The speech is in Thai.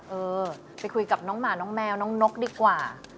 เออไปคุยกับน้องหมาน้องแมวน้องนกดีกว่า